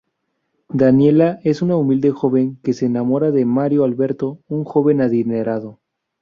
Daniela es una humilde joven que se enamora de Mario Alberto, un joven adinerado.